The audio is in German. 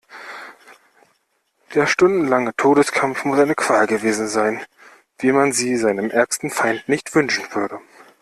Der stundenlange Todeskampf muss eine Qual gewesen sein, wie man sie seinem ärgsten Feind nicht wünschen würde.